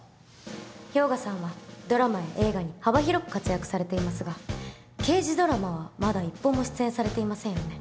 氷河さんはドラマや映画に幅広く活躍されていますが刑事ドラマはまだ１本も出演されていませんよね？